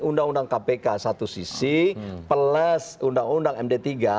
undang undang kpk satu sisi plus undang undang md tiga